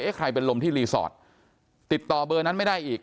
ใครเป็นลมที่รีสอร์ทติดต่อเบอร์นั้นไม่ได้อีก